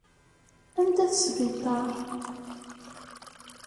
Anda-t sbiṭar?